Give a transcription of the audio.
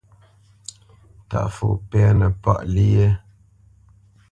Ntaʼfo pɛ́nə páʼ lyé?